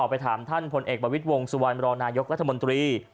ไปถามท่านพลเอกประวิทย์วงสุวรรณรองนายกรัฐมนตรี